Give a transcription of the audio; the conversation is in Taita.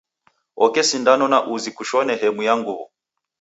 Oke sindano na uzi kushone hemu ya nguw'o